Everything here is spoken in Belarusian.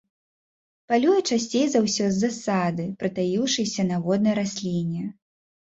Палюе часцей за ўсё з засады, прытаіўшыся на воднай расліне.